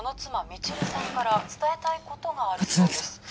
未知留さんから伝えたいことがあるそうです葛城さん